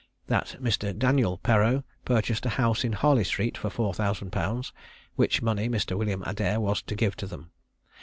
That Mr. Daniel Perreau purchased a house in Harley street for four thousand pounds, which money Mr. William Adair was to give them.